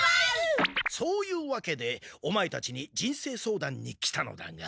そういうわけでオマエたちに人生相談に来たのだが。